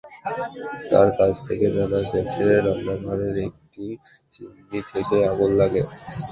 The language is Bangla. তাঁর কাছ থেকে জানা গেছে, রান্নাঘরের একটি চিমনি থেকেই আগুন লাগে।